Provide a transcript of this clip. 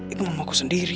itu mamaku sendiri